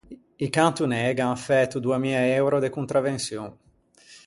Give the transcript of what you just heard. I cantonê gh’an fæto doa mia euro de contravençion.